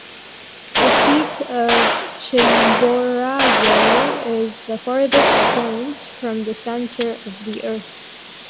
The peak of Chimborazo is the farthest point from the center of the Earth.